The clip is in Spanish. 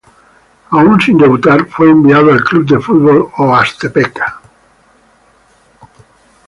Aun sin debutar, fue enviado al club de fútbol Oaxtepec.